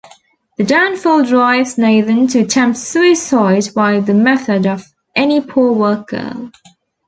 The downfall drives Nathan to attempt suicide by the method of "any poor work-girl".